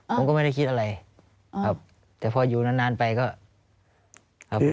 ผมก็ไม่ได้คิดอะไรครับแต่พออยู่นานนานไปก็ครับ